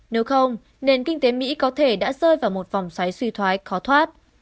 nếu không nền kinh tế mỹ có thể đã rơi vào một vòng xoáy suy thoái khó thoát